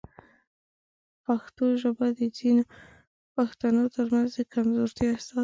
پښتو ژبه د ځینو پښتنو ترمنځ د کمزورتیا احساس لري.